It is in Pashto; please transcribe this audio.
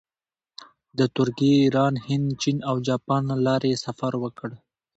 د ترکیې، ایران، هند، چین او جاپان له لارې یې سفر وکړ.